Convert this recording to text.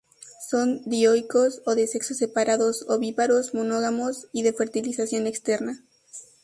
Son dioicos, o de sexos separados, ovíparos, monógamos, y de fertilización externa.